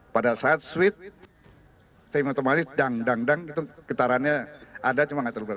pada saat switch semi otomatis dang dang dang gitu getarannya ada cuma tidak terlubat